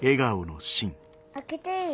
開けていい？